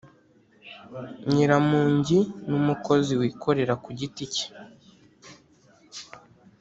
Nyiramungi n’umukozi wikorera kugiti cye